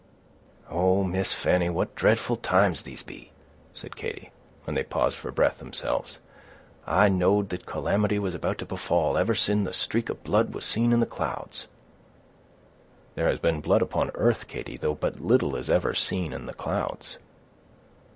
"Oh, Miss Fanny, what dreadful times these be!" said Katy, when they paused for breath themselves. "I know'd that calamity was about to befall, ever sin' the streak of blood was seen in the clouds." "There has been blood upon earth, Katy, though but little is ever seen in the clouds."